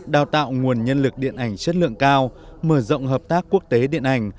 đào tạo nguồn nhân lực điện ảnh chất lượng cao mở rộng hợp tác quốc tế điện ảnh